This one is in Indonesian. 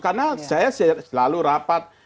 karena saya selalu rapat